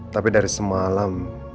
tapi dari semalam